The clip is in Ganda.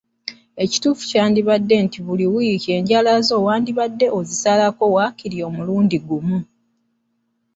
Ekituufu kyandibadde nti buli wiiki enjala zo wandibadde ozisalako waakiri omulundi gumu.